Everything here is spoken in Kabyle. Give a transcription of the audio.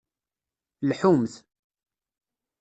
Lḥumt.